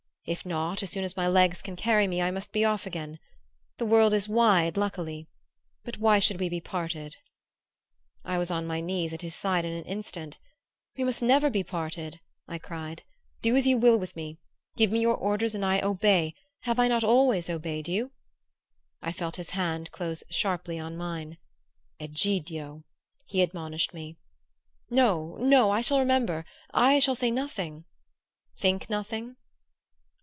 If not, as soon as my legs can carry me I must be off again. The world is wide, luckily but why should we be parted?" I was on my knees at his side in an instant. "We must never be parted!" I cried. "Do as you will with me. Give me your orders and I obey have I not always obeyed you?" I felt his hand close sharply on mine. "Egidio!" he admonished me. "No no I shall remember. I shall say nothing " "Think nothing?"